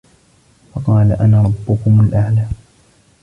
فَقالَ أَنا رَبُّكُمُ الأَعلى